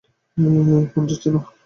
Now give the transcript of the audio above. Phone যাচ্ছে না।